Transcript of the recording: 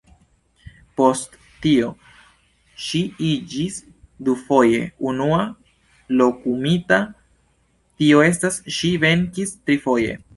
Post tio, ŝi iĝis dufoje unua-lokumita, tio estas ŝi venkis trifoje!